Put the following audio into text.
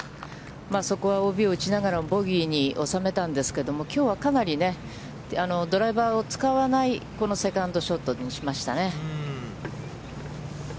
そこはＯＢを打ちながらボギーにおさめたんですけれども、きょうは、かなりドライバーを使わないセカンドショットにしましたね。